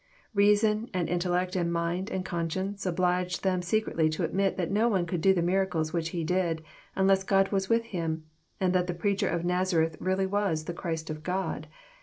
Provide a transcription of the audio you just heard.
Eeason, and intellect, and mind, and conscience, obliged them secretly to admit that no one could do the miracles which He did, unless God was with Him, and that the preacher of Nazareth really was the Christ of God.